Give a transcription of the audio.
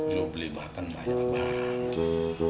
lo beli makan banyak banget